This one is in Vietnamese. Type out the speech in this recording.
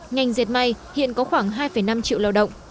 ngành diệt may hiện có khoảng hai năm triệu lao động